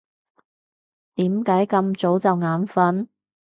點解咁早就眼瞓？